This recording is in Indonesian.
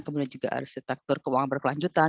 kemudian juga arsitektur keuangan berkelanjutan